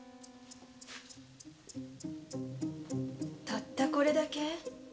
たったこれだけ？